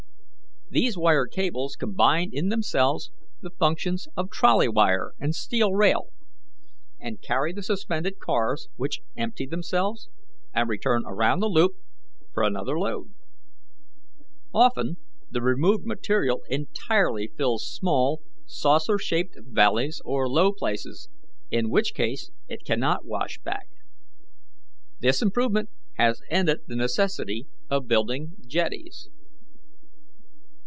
These wire cables combine in themselves the functions of trolley wire and steel rail, and carry the suspended cars, which empty themselves and return around the loop for another load. Often the removed material entirely fills small, saucer shaped valleys or low places, in which case it cannot wash back. This improvement has ended the necessity of building jetties.